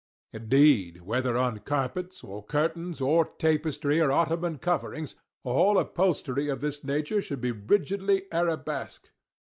Indeed, whether on carpets, or curtains, or tapestry, or ottoman coverings, all upholstery of this nature should be rigidly Arabesque.